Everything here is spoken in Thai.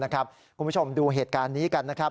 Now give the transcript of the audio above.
คุณผู้ชมดูเหตุการณ์นี้กันนะครับ